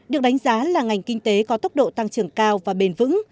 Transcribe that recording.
được đánh giá là ngành kinh tế có tốc độ tăng trưởng cao và bền vững